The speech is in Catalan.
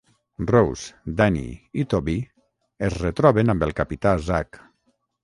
Rose, Danny i Toby es retroben amb el Capità Zach.